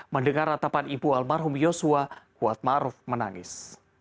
mendengar ratapan ibu almarhum yosua kuatmaruf menangis